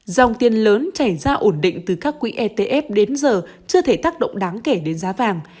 dòng tiền lớn chảy ra ổn định từ các quỹ etf đến giờ chưa thể tác động đáng kể đến giá vàng